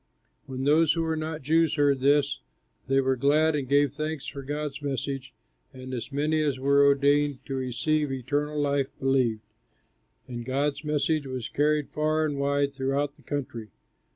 '" When those who were not Jews heard this, they were glad and gave thanks for God's message; and as many as were ordained to receive eternal life believed, and God's message was carried far and wide throughout the country.